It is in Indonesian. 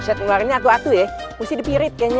udah ngeluarinnya atu atu ya mesti dipirit kayaknya